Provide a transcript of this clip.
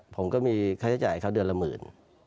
ผมก็มีค่าใช้จ่ายให้เขาเดือนละหมื่น